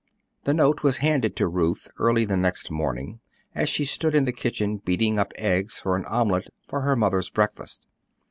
The note was handed to Ruth early the next morning as she stood in the kitchen beating up eggs for an omelette for her mother's breakfast.